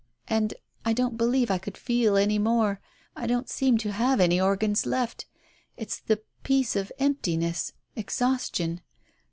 And I don't believe I could feel any more,— I don't seem to have any organs left. It's the peace of emptiness — exhaustion